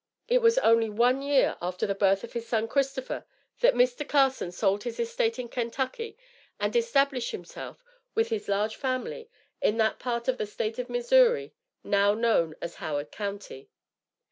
It was only one year after the birth of his son Christopher, that Mr. Carson sold his estate in Kentucky and established himself, with his large family, in that part of the State of Missouri now known as Howard County.